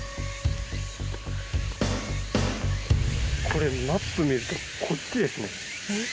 これマップ見るとこっちですね。